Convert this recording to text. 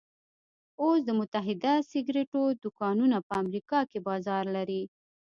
اوس د متحده سګرېټو دوکانونه په امريکا کې بازار لري.